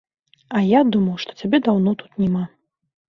А я думаў, што цябе даўно тут няма.